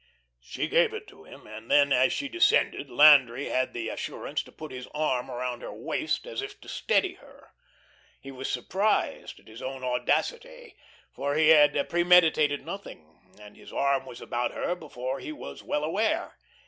She gave it to him, and then, as she descended, Landry had the assurance to put his arm around her waist as if to steady her. He was surprised at his own audacity, for he had premeditated nothing, and his arm was about her before he was well aware.